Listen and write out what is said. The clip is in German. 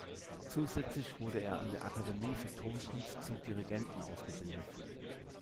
Zusätzlich wurde er an der Akademie für Tonkunst zum Dirigenten ausgebildet.